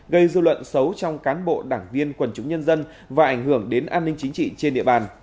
gây dư luận xấu trong cán bộ đảng viên quần chúng nhân dân và ảnh hưởng đến an ninh chính trị trên địa bàn